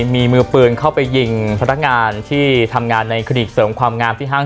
มีมือปืนเข้าไปยิงพนักงานที่ทำงานในคดีเสริมความงามที่ห้าง